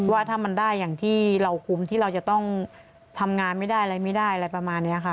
ว่าถ้ามันได้อย่างที่เราคุ้มที่เราจะต้องทำงานไม่ได้อะไรไม่ได้อะไรประมาณนี้ค่ะ